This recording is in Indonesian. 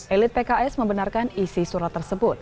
elit pks membenarkan isi surat tersebut